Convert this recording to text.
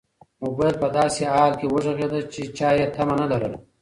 موبایل په داسې حال کې وغږېد چې چا یې تمه نه لرله.